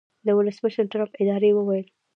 د ولسمشرټرمپ ادارې وویل